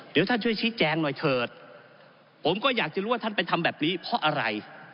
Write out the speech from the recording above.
เดี๋ยวท่านช่วยชี้แจงหน่อยเถิดผมก็อยากจะรู้ว่าท่านไปทำแบบนี้เพราะอะไร